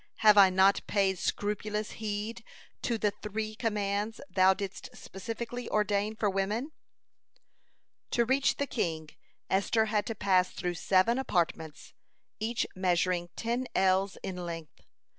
Have I not paid scrupulous heed to the three commands Thou didst specially ordain for women?" To reach the king, Esther had to pass through seven apartments, each measuring ten ells in length.